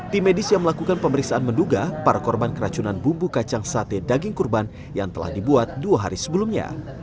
tim medis yang melakukan pemeriksaan menduga para korban keracunan bumbu kacang sate daging kurban yang telah dibuat dua hari sebelumnya